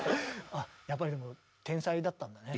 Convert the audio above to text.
あやっぱりでも天才だったんだね。